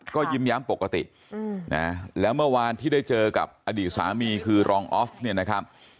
ก็ยิ้มแย้มปกตินะแล้วเมื่อวานที่ได้เจอกับอดีตสามีคือรองออฟเนี่ยนะครับ